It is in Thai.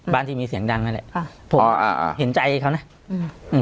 บ้านที่มีเสียงดังนั้นแหละอ่าอ่าอ่าเห็นใจเขานะอืม